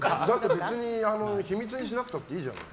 別に秘密にしなくたっていいじゃない。